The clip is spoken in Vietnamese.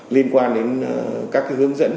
liên quan đến các cái hướng dẫn